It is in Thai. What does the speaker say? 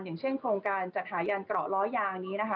อย่างเช่นโครงการจัดหายานกเกาะล้อยาง